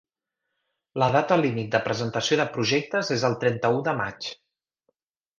La data límit de presentació de projectes és el trenta-u de maig.